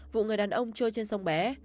vụ người đàn ông trôi trên sông bé